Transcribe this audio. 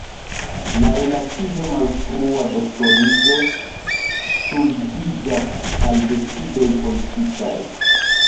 La relative malfrua doktoriĝo ŝuldiĝas al decidoj politikaj.